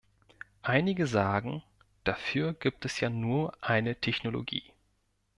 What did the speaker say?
Einige sagen, dafür gibt es ja nur eine Technologie.